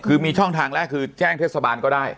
คือมีช่องทางแรกคือแจ้งเทศบาลก็ได้